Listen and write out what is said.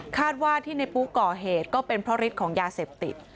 ว่าที่ในปุ๊กก่อเหตุก็เป็นเพราะฤทธิ์ของยาเสพติด